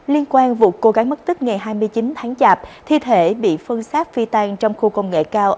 liên quan vụ cô gái mất tích ngày hai mươi chín tháng chạp thi thể bị phân xác phi tan trong khu công nghệ cao